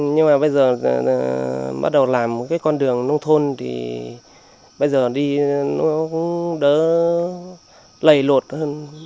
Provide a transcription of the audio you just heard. nhưng mà bây giờ bắt đầu làm một cái con đường nông thôn thì bây giờ đi nó cũng đỡ lầy lột hơn